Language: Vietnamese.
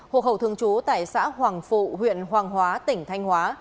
hồ khẩu thương chú tại xã hoàng phụ huyện hoàng hóa tỉnh thanh hóa